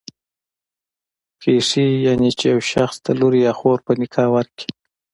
خېښي، يعنی چي يو شخص ته لور يا خور په نکاح ورکي.